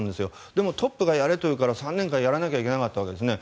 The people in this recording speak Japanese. でも、トップがやれというから３年間やらなければいけなかったんですね。